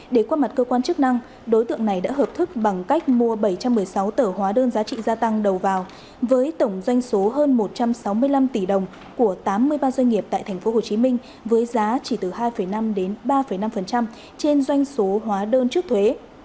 để qua mặt cơ quan chức năng đối tượng này đã hợp thức bằng cách mua bảy trăm một mươi sáu tờ hóa đơn giá trị gia tăng đầu vào với tổng doanh số hơn một trăm sáu mươi năm tỷ đồng của tám mươi ba doanh nghiệp tại tp hcm với giá chỉ từ hai năm đến ba năm trên doanh số hóa đơn trước thuế